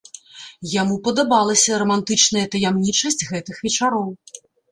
Яму падабалася рамантычная таямнічасць гэтых вечароў.